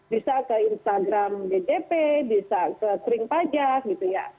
bisa ke instagram bdp bisa ke sering pajak gitu ya